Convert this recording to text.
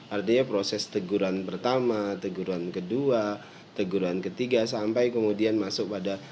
artinya proses teguran pertama teguran kedua teguran ketiga sampai kemudian masuk pada